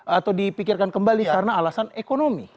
atau dipikirkan kembali karena alasan ekonomi